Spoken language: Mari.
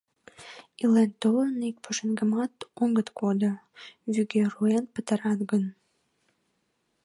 Илен-толын, ик пушеҥгымат огыт кодо, вӱге руэн пытарат гын...